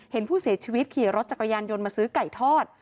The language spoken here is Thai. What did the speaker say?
เห็นผู้เสียชีวิตขี่รถจักรยานยนต์มาซื้อไก่ทอด